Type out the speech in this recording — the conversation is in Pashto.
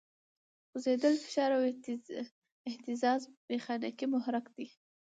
خوځېدل، فشار او اهتزاز میخانیکي محرک دی.